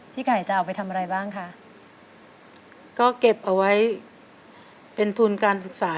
ไก่จะเอาไปทำอะไรบ้างคะก็เก็บเอาไว้เป็นทุนการศึกษา